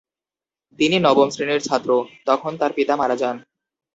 তিনি নবম শ্রেণীর ছাত্র, তখন তার পিতা মারা যান।